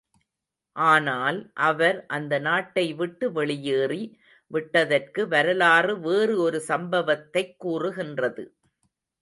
ஆனால், அவர் அந்த நாட்டை விட்டு வெளியேறி விட்டதற்கு வரலாறு வேறு ஒரு சம்பவத்தைக் கூறுகின்றது.